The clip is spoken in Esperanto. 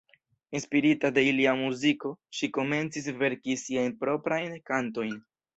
Inspirita de ilia muziko, ŝi komencis verki siajn proprajn kantojn.